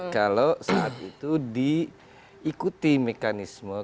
kalau saat itu diikuti mekanisme